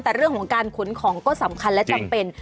แต่เรื่องของการขนของก็สำคัญและจำเป็น